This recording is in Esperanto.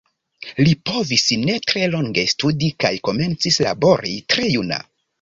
Li povis ne tre longe studi kaj komencis labori tre juna.